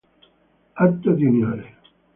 Atto di Unione